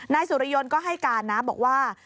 นายสุริยนต์ก็ให้การนะบอกว่า